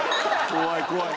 怖い怖い。